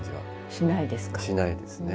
しないですか？